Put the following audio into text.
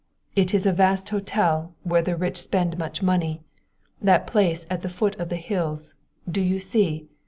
"It is a vast hotel where the rich spend much money. That place at the foot of the hills do you see?